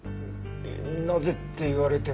なぜって言われても。